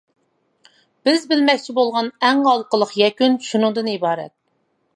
بىز بىلمەكچى بولغان ئەڭ ھالقىلىق يەكۈن شۇنىڭدىن ئىبارەت.